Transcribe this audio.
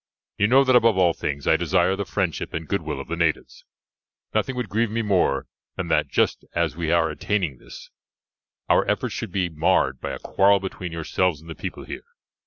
You know that above all things I desire the friendship and goodwill of the natives. Nothing would grieve me more than that, just as we are attaining this, our efforts should be marred by a quarrel between yourselves and the people here.